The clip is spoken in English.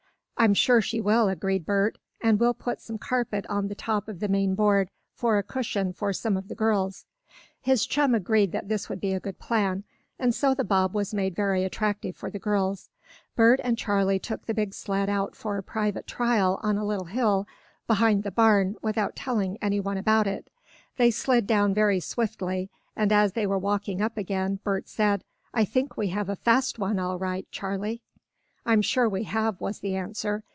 "I'm sure she will," agreed Bert. "And we'll put some carpet on the top of the main board, for a cushion for some of the girls." His chum agreed that this would be a good plan, and so the bob was made very attractive for the girls. Bert and Charley took the big sled out for a private trial on a little hill behind the barn without telling anyone about it. They slid down very swiftly, and as they were walking up again Bert said: "I think we have a fast one all right, Charley." "I'm sure we have," was the answer.